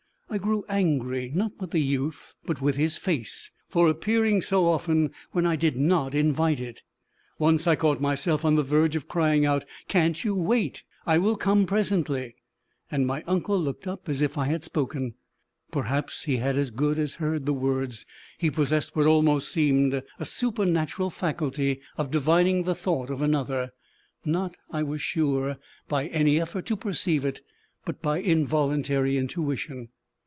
I grew angry not with the youth, but with his face, for appearing so often when I did not invite it. Once I caught myself on the verge of crying out, "Can't you wait? I will come presently!" and my uncle looked up as if I had spoken. Perhaps he had as good as heard the words; he possessed what almost seemed a supernatural faculty of divining the thought of another not, I was sure, by any effort to perceive it, but by involuntary intuition.